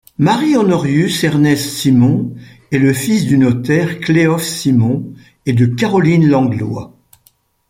Marie-Honorius-Ernest Cimon est le fils du notaire Cléophe Cimon et de Caroline Langlois.